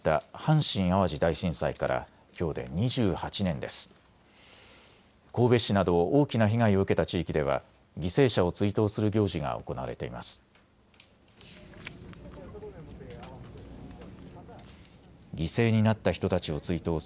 神戸市など大きな被害を受けた地域では犠牲者を追悼する行事が行われています。